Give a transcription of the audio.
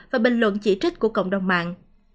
và bình luận chỉ trích của cộng đồng mạng